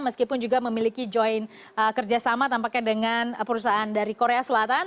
meskipun juga memiliki join kerjasama tampaknya dengan perusahaan dari korea selatan